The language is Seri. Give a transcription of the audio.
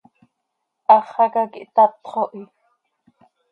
Háxaca quih tatxo hi.